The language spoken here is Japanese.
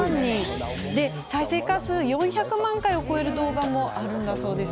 そして再生回数４００万回を超える動画もあるんです。